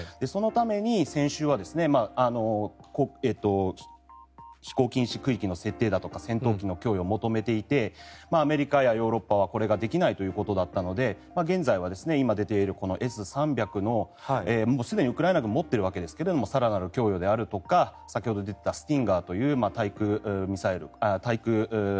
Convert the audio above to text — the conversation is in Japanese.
そのために先週は飛行禁止空域の設定だとか戦闘機の供与を求めていてアメリカやヨーロッパはこれができないということだったので現在は今、出ているＳ３００のすでにウクライナ軍が持っているわけですが更なる供与であるとか先ほど出ていたスティンガーという対空ミサイル。